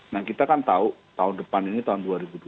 nah kita kan tahu tahun depan ini tahun dua ribu dua puluh